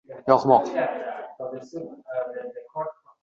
Muhabbat ila